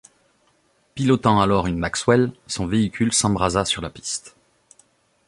Pilotant alors une Maxwell, son véhicule s'embrasa sur la piste.